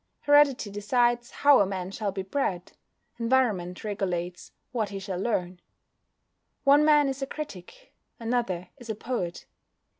Heredity decides how a man shall be bred; environment regulates what he shall learn. One man is a critic, another is a poet.